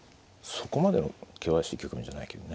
そこまでの険しい局面じゃないけどね。